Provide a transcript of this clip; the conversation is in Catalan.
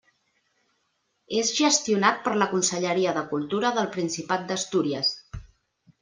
És gestionat per la conselleria de cultura del Principat d'Astúries.